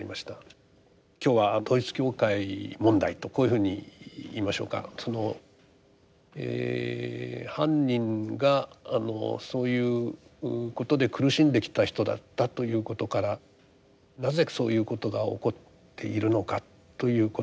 今日は統一教会問題とこういうふうにいいましょうかその犯人があのそういうことで苦しんできた人だったということからなぜそういうことが起こっているのかということ。